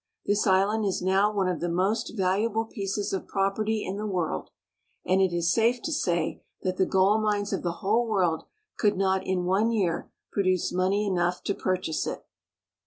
This island is now one of the most valuable pieces of prop erty in the world, and it is safe to say that the gold mines of the whole world could not in one year produce money enough to purchase it.